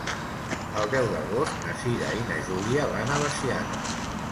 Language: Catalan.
El deu d'agost na Cira i na Júlia van a Veciana.